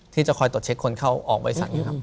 ที่จะคอยตรวจเช็คคนเข้าออกบริษัทนะครับ